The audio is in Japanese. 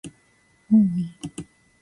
もういい